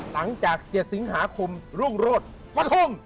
หลังจากเจษศิงหาคุมร่วงโรธวัฒง